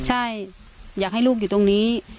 ใช่อยากให้ลูกอยู่ตรงนี้